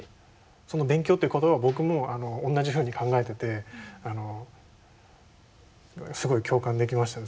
その勉強っていう言葉を僕もおんなじふうに考えててすごい共感できましたね。